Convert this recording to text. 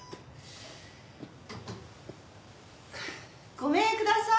ごめんください！